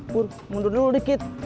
pur mundur dulu dikit